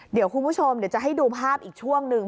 เดี๋ยวคุณผู้ชมเดี๋ยวจะให้ดูภาพอีกช่วงหนึ่ง